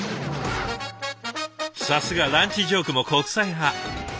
さすがランチジョークも国際派。